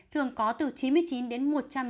thường có từ chín mươi chín đến